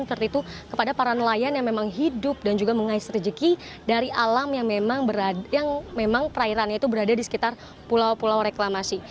seperti itu kepada para nelayan yang memang hidup dan juga mengais rejeki dari alam yang memang perairannya itu berada di sekitar pulau pulau reklamasi